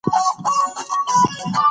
کمپيوټر ږغ ثبتوي.